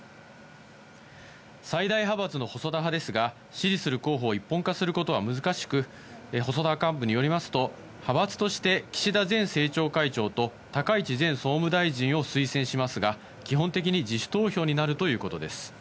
最大派閥の細田派ですが、支持する候補を一本化することは難しく、細田幹部によりますと、派閥として岸田前政調会長と高市前総務大臣を推薦しますが、基本的に自主投票になるということです。